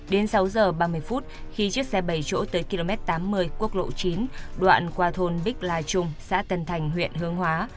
đến sáu giờ ba mươi phút khi chiếc xe bảy chỗ tới km tám mươi quốc lộ chín đoạn qua thôn bích lai trung xã tân thành huyện hướng hóa